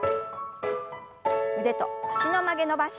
腕と脚の曲げ伸ばし。